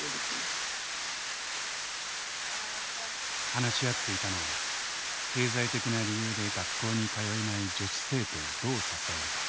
話し合っていたのは経済的な理由で学校に通えない女子生徒をどう支えるか。